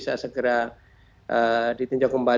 tentunya setelah kondisi di sini dinyatakan aman